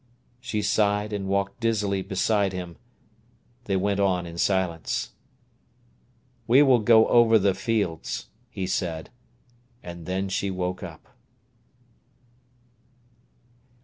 She sighed and walked dizzily beside him. They went on in silence. "We will go over the fields," he said; and then she woke up.